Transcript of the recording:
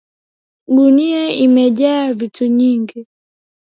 Gunia imejaa vitu nyingi.